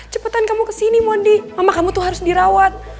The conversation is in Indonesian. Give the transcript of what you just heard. cepetan kamu kesini mondi mama kamu tuh harus dirawat